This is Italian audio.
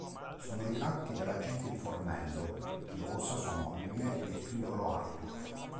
Sono ritratti della gente di Formello, di Rosa sua moglie, del figliolo Arthur.